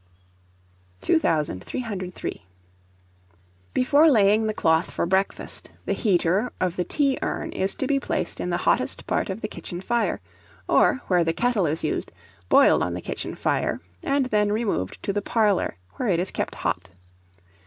[Illustration: BANISTER BROOM.] [Illustration: STAIRCASE BROOM.] 2303. Before laying the cloth for breakfast, the heater of the tea urn is to be placed in the hottest part of the kitchen fire; or, where the kettle is used, boiled on the kitchen fire, and then removed to the parlour, where it is kept hot.